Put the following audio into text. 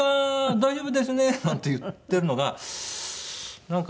「大丈夫ですね」なんて言ってんのがなんか。